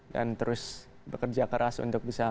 dan terus bekerja keras untuk bisa